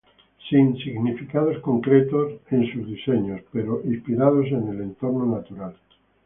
Sin significados concretos a sus diseños, pero son inspirados en el entorno natural.